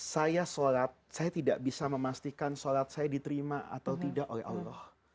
saya sholat saya tidak bisa memastikan sholat saya diterima atau tidak oleh allah